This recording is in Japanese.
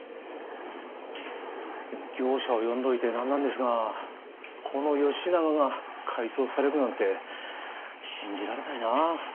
でも業者を呼んどいて何なんですがこのよしながが改装されるなんて信じられないな。